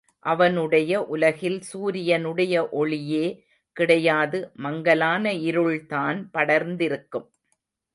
அவனுடைய உலகில் சூரியனுடைய ஒளியே கிடையாது மங்கலான இருள்தான் படர்ந்திருக்கும்.